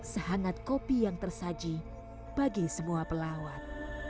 sehangat kopi yang tersaji bagi semua pelawat